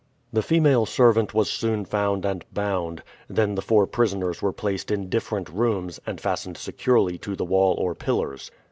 The female servant was soon found and bound; then the four prisoners were placed in different rooms, and fastened securely to the wall or pillars.